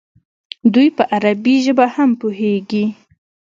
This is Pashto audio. دوی په عربي ژبه هم پوهېږي.